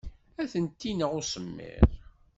Ad tent-ineɣ usemmiḍ.